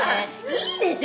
いいでしょ！